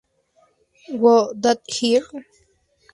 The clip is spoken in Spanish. Who's That Girl?